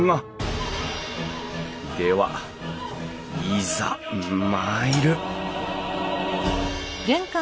ではいざ参る！